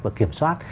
và kiểm soát